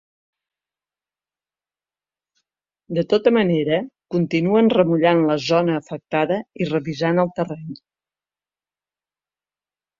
De tota manera, continuen remullant la zona afectada i revisant el terreny.